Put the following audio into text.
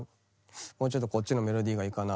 もうちょっとこっちのメロディーがいいかなあ。